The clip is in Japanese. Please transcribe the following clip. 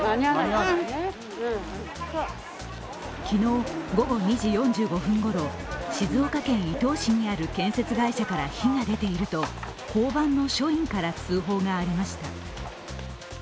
昨日午後２時４５分ごろ、静岡県伊東市にある建設会社から火が出ていると交番の署員から通報がありました。